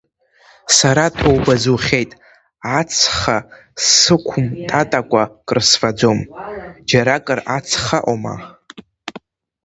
Сара ҭоуба зухьеит, ацҳа сықәмтатакәа крысфаӡом, џьаракыр ацха аҟоума?